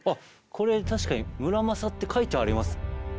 これ確かに「村正」って書いてあります。